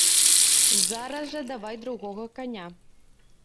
Зараз жа давай другога каня!